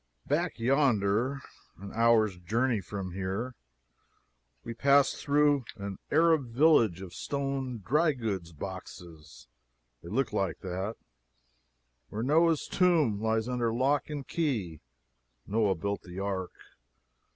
Back yonder, an hour's journey from here, we passed through an Arab village of stone dry goods boxes (they look like that,) where Noah's tomb lies under lock and key. [Noah built the ark.